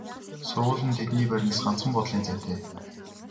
Сургууль нь тэдний байрнаас ганцхан буудлын зайтай.